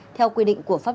theo quy định của pháp